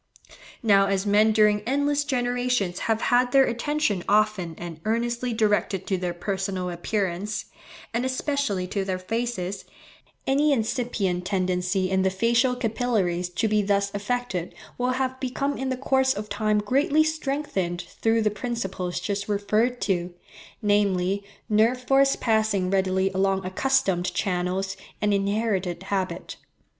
Now as men during endless generations have had their attention often and earnestly directed to their personal appearance, and especially to their faces, any incipient tendency in the facial capillaries to be thus affected will have become in the course of time greatly strengthened through the principles just referred to, namely, nerve force passing readily along accustomed channels, and inherited habit.